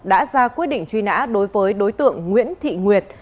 đã ra quyết định truy nã đối với đối tượng nguyễn thị nguyệt